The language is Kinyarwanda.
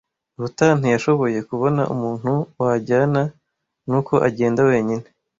Ruta ntiyashoboye kubona umuntu wajyana, nuko agenda wenyine.